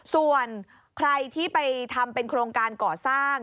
ส่วนใครที่ไปทำเป็นโครงการก่อสร้าง